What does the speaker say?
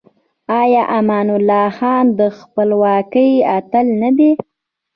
آیا امان الله خان د خپلواکۍ اتل نه دی؟